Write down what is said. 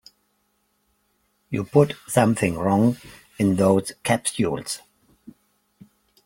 You put something wrong in those capsules.